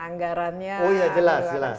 anggarannya oh iya jelas